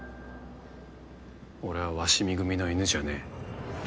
俺は鷲見組の犬じゃねえ。